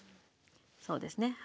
そうですね。